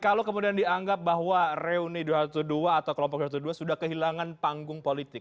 kalau kemudian dianggap bahwa reuni dua ratus dua belas atau kelompok dua ratus dua belas sudah kehilangan panggung politik